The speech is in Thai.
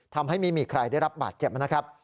ทำให้ไม่มีใครได้รับบาดเจ็บนะครับ